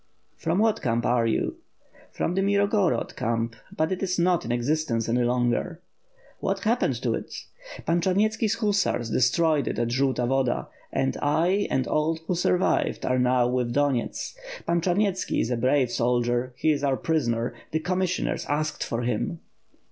"From what camp are you?" "From the Mirgorod camp, but it is not in existence any longer." "What happened to it?" "Pan Charnyetski's hussars destroyed it at the Zolta Woda; and I, and all who survived, are now with Donyets. Pan Charnyetski is a brave soldier; he is our prisoner; the com missioners asked for him."